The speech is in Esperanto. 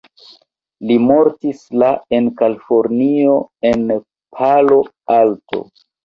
Li mortis la en Kalifornio en Palo Alto.